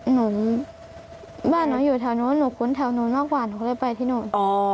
หนูบ้านหนูอยู่แถวนู้นหนูคุ้นแถวนู้นมากกว่าหนูก็เลยไปที่นู่น